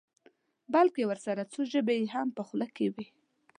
بلکې ورسره څو ژبې یې هم په خوله کې وي.